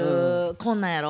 こんなんやろ？